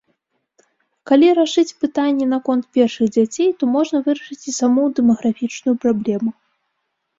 Калі рашыць пытанне наконт першых дзяцей, то можна вырашыць і саму дэмаграфічную праблему!